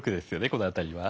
この辺りは。